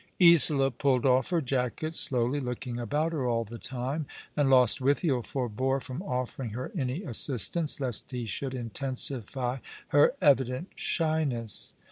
Isola pulled off her jacket slowly, looking about her all the time; and Lostwithiel forbore from offering her any assibtance, lest he should intensify her evident shyness.